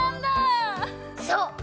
そう！